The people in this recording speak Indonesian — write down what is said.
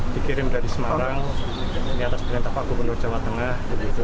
dikirim dari semarang ini atas perintah pak gubernur jawa tengah